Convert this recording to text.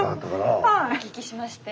お聞きしまして。